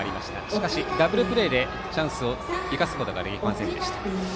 しかし、ダブルプレーでチャンスを生かすことができませんでした。